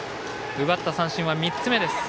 奪った三振は３つ目です。